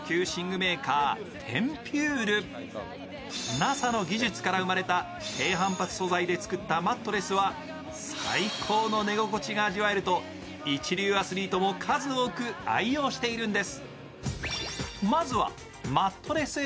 ＮＡＳＡの記述から生まれた低反発素材で作ったマットレスは最高の寝心地が味わえると一流アスリートも数多く愛用しているんです。